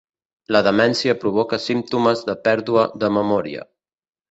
La demència provoca símptomes de pèrdua de memòria.